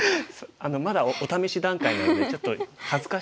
あのまだお試し段階なのでちょっと恥ずかしいです